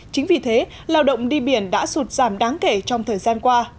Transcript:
chính vì thế lao động đi biển đã sụt giảm đáng kể trong thời gian qua